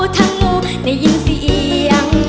ทั้งงูได้ยินเสียง